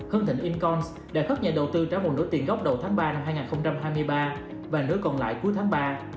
hưng thịnh incoms đã khớp nhà đầu tư trả một nỗi tiền gốc đầu tháng ba năm hai nghìn hai mươi ba và nỗi còn lại cuối tháng ba